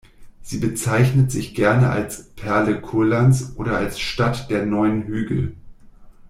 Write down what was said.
Sie bezeichnet sich gerne als „Perle Kurlands“ oder als „Stadt der neun Hügel“.